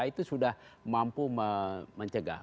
itu sudah mampu mencegah